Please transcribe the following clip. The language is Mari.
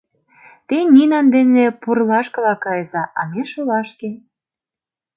— Те Нинан дене пурлашкыла кайыза, а ме — шолашке.